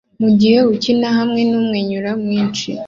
mugihe ukina hamwe numwenyura mwinshi